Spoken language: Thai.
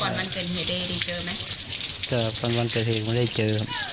ก่อนวันเกิดเฮียเดย์ได้เจอไหมก็วันวันเกิดเฮียเดย์ไม่ได้เจอครับ